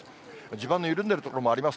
地盤の緩んでいる所もあります。